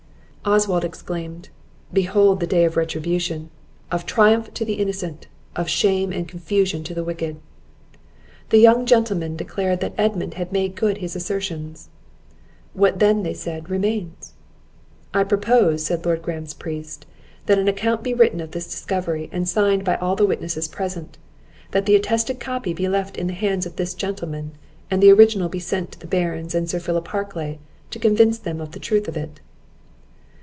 Oswald exclaimed. "Behold the day of retribution! of triumph to the innocent, of shame and confusion to the wicked!" The young gentlemen declared that Edmund had made good his assertions. "What then," said they, "remains?" "I propose," said Lord Graham's priest, "that an account be written of this discovery, and signed by all the witnesses present; that an attested copy be left in the hands of this gentleman, and the original be sent to the Barons and Sir Philip Harclay, to convince them of the truth of it."